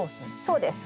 そうです。